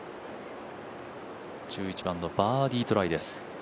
１１番のバーディートライです。